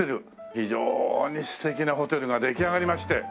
非常に素敵なホテルが出来上がりまして。